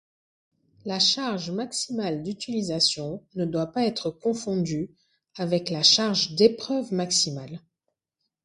La charge maximale d'utilisation ne doit pas être confondue avec la charge d'épreuve maximale.